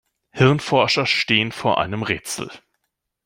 Hirnforscher stehen vor einem Rätsel.